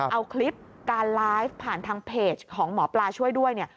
เอาคลิปการไลฟ์ผ่านทางเพจของหมอปลาช่วยด้วยเนี่ย